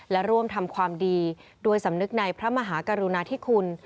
และร่วมทำความดีด้วยสำนึกในพระมหากรุณาธิคุณ